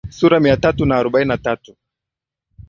sura mia tatu na arobaini na tatu